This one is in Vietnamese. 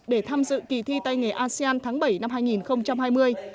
để tham dự kỳ thi tay nghề asean tháng bảy năm hai nghìn hai mươi